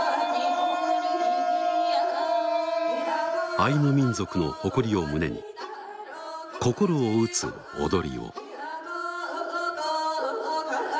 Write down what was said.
アイヌ民族の誇りを胸に心を打つ踊りを。